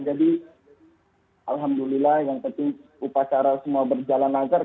jadi alhamdulillah yang penting upacara semua berjalan lancar